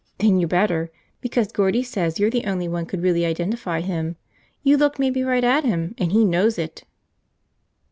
"Then you better! Because Gordie says you're the only one could really identify him. You looked maybe right at him and he knows it!"